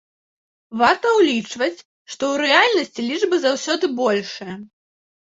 Варта ўлічваць, што ў рэальнасці лічбы заўсёды большыя.